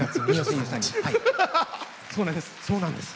そうなんです。